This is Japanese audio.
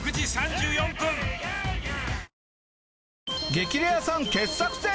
『激レアさん』傑作選